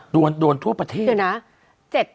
โดนโดนทั่วประเทศ